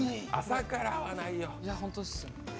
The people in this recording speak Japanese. ホントです。